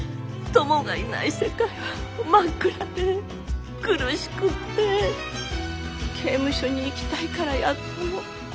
トモがいない世界は真っ暗で苦しくって刑務所に行きたいからやったの。